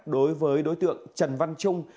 đối với đối tượng trần văn trung